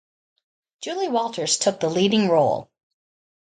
Julie Walters took the leading role.